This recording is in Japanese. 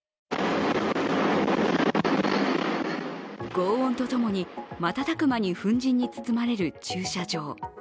ごう音とともに、瞬く間に粉じんに包まれる駐車場。